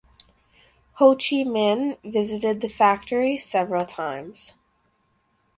Ho Chi Minh visited the Factory several times.